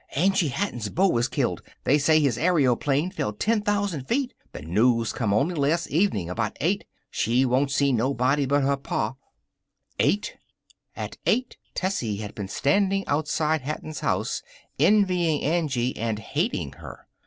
"Angie Hatton's beau was killed " "They say his airyoplane fell ten thousand feet " "The news come only last evening about eight " "She won't see nobody but her pa " Eight! At eight Tessie had been standing outside Hatton's house, envying Angie and hating her.